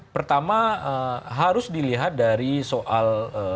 pertama harus dilihat dari soal pengalaman dan atau bisnis